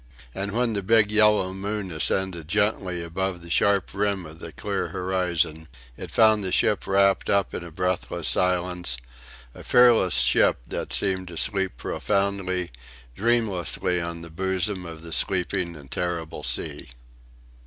And when the big yellow moon ascended gently above the sharp rim of the clear horizon it found the ship wrapped up in a breathless silence; a fearless ship that seemed to sleep profoundly, dreamlessly on the bosom of the sleeping and terrible sea.